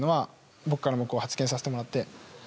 僕からも発言させてもらって。